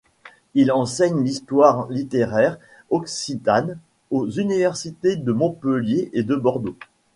Il enseigne l’histoire littéraire occitane aux universités de Montpellier et de Bordeaux.